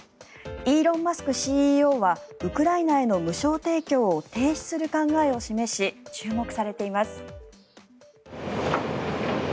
イーロン・マスクＣＥＯはウクライナへの無償提供を停止する考えを示し注目されています。